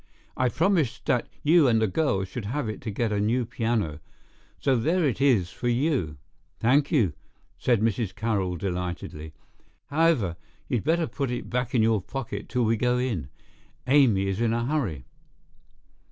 I promised that you and the girls should have it to get a new piano, so there it is for you." "Thank you," said Mrs. Carroll delightedly. "However, you'd better put it back in your pocket till we go in. Amy is in a hurry."